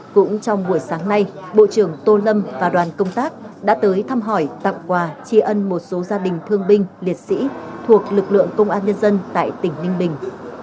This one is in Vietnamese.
cũng trong buổi sáng nay bộ trưởng tô lâm và đoàn công tác đã tới thăm hỏi tặng quà tri ân một số gia đình thương binh liệt sĩ thuộc lực lượng công an nhân dân tại tỉnh ninh bình